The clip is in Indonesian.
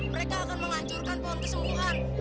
mereka akan menghancurkan pohon kesembuhan